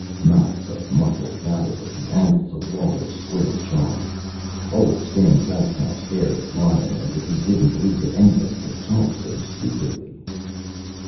Knots of muscle gathered at the angles of Lawler's square jaw. Old Stan Kraskow stared at Lauren as if he didn't believe that anybody could talk so stupidly.